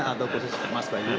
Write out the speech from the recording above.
atau khusus mas bayu